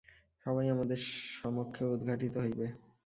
সবই আমাদের সমক্ষে উদ্ঘাটিত হইবে।